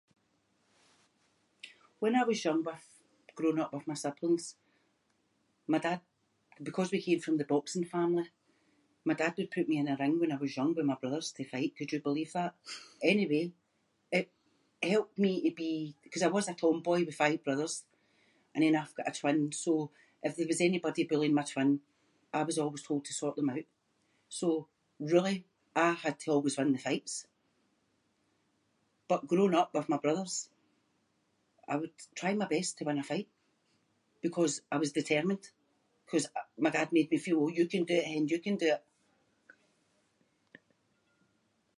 When I was young with- growing up with my siblings my dad- because we came from the boxing family- my dad would put me in a ring when I was young with my brothers to fight. Could you believe that? Anyway, it helped me to be- 'cause I was a tomboy with five brothers and then I've got a twin, so if there was anybody bullying my twin I was always told to sort them out. So, really, I had to always win the fights. But growing up with my brothers, I would try my best to win a fight because I was determined 'cause my dad made me feel “you can do it hen, you can do it”.